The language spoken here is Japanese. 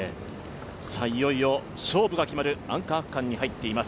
いよいよ勝負が決まるアンカー区間に入っています。